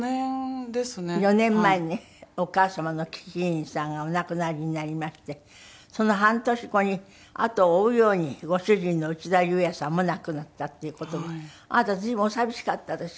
４年前にお母様の樹木希林さんがお亡くなりになりましてその半年後にあとを追うようにご主人の内田裕也さんも亡くなったっていう事であなた随分お寂しかったでしょ？